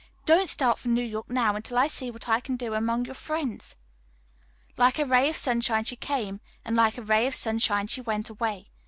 Don't start for New York now until I see what I can do among your friends." Like a ray of sunshine she came, and like a ray of sunshine she went away.